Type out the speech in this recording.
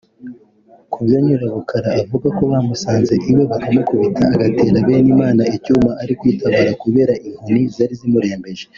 Ku byo Nyirabukara avuga ko bamusanze iwe bakamukubita agatera Benimana icyuma ari kwitabara kubera inkoni zari zimurembeje